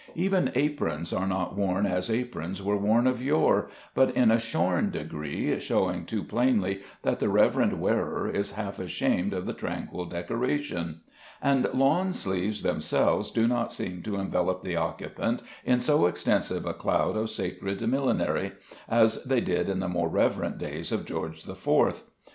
Even aprons are not worn as aprons were worn of yore, but in a shorn degree, showing too plainly that the reverend wearer is half ashamed of the tranquil decoration; and lawn sleeves themselves do not seem to envelop the occupant in so extensive a cloud of sacred millinery as they did in the more reverent days of George the Fourth.